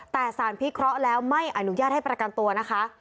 แต่สารพิเคราะห์แล้วไม่อนุญาตให้ประกันตัวนะคะ